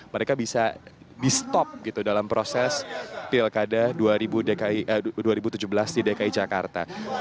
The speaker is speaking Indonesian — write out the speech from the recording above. mereka bisa di stop gitu dalam proses pilkada dua ribu tujuh belas di dki jakarta